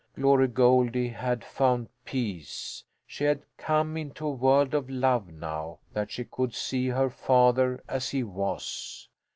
Glory Goldie had found peace. She had come into a world of love now that she could see her father as he was.